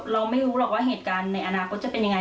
เราไม่รู้หรอกว่าเหตุการณ์ในอนาคตจะเป็นยังไง